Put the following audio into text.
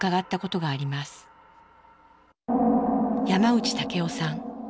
山内武夫さん。